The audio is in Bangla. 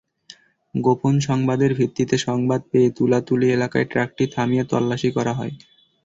গোপন সংবাদের ভিত্তিতে সংবাদ পেয়ে তুলাতুলি এলাকায় ট্রাকটি থামিয়ে তল্লাশি করা হয়।